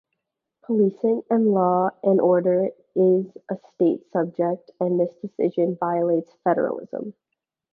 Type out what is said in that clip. Policing and law and order is a state subject, and this decision violates federalism.